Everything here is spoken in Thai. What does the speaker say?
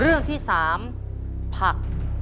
เรื่องที่๔จังหวัดพิษสนุโลก